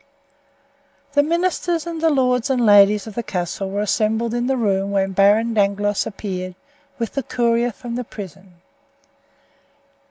The ministers and the lords and ladies of the castle were assembled in the room when Baron Dangloss appeared with the courier from the prison.